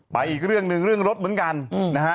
อีกเรื่องหนึ่งเรื่องรถเหมือนกันนะฮะ